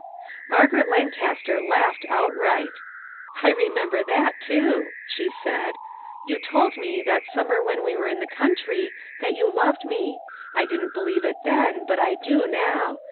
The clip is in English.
Margaret Lancaster laughed outright. " I remember that, too," she said. " You told me, that summer when we were in the country, that you loved me ; I didn't believe it then, but I do now.